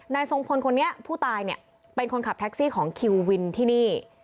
ทรงพลคนนี้ผู้ตายเนี่ยเป็นคนขับแท็กซี่ของคิววินที่นี่